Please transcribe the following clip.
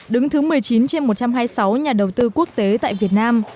đứng thứ một mươi chín trên một trăm hai mươi sáu nhà đầu tư quốc tế tại việt nam